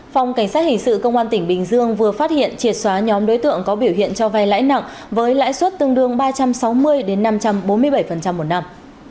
phòng cảnh sát hình sự công an tỉnh bình dương vừa phát hiện triệt xóa nhóm đối tượng có biểu hiện cho vay lãi nặng với lãi suất tương đương ba trăm sáu mươi năm trăm bốn mươi bảy một năm